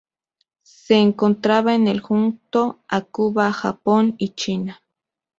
Se encontraba en el junto a Cuba, Japón y China.